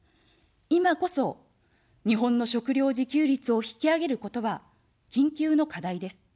いまこそ、日本の食料自給率を引き上げることは、緊急の課題です。